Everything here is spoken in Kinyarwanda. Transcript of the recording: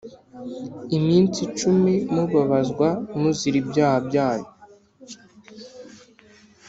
Iminsi icumi mubabazwa muzira ibyaha byanyu